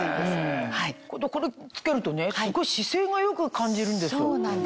これ着けるとすっごい姿勢が良く感じるんですよ。